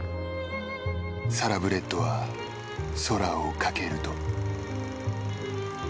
サラブレッドは空を翔ると。